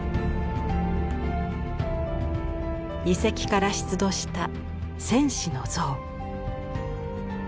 遺跡から出土した戦士の像。